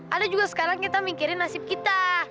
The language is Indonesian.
ada juga sekarang kita mikirin nasib kita